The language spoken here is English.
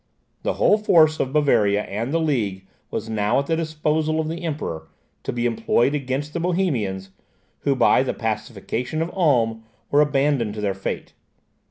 The whole force of Bavaria and the League was now at the disposal of the Emperor to be employed against the Bohemians, who by the pacification of Ulm were abandoned to their fate.